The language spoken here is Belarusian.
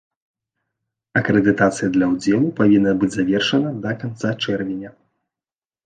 Акрэдытацыя для ўдзелу павінна быць завершана да канца чэрвеня.